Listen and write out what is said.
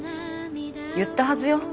言ったはずよ。